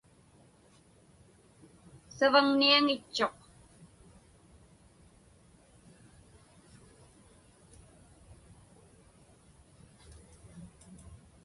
Savaŋniaŋitchuq.